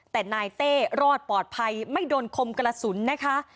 แต่นายเต้รอดปลอดภัยไม่โดนคมกระสุนนะคะ